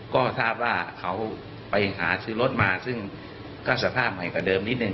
ก็ทราบว่าเขาไปหาซื้อรถมาซึ่งก็สภาพใหม่กว่าเดิมนิดนึ